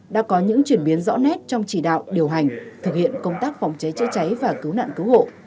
đã có những chuyển biến rõ nét trong chỉ đạo điều hành thực hiện công tác phòng cháy chữa cháy và cứu nạn cứu hộ